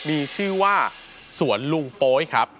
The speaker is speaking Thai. มีชื่อว่าสวนลุงโป๊ยครับ